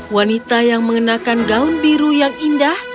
wanita yang mengenakan gaun biru yang indah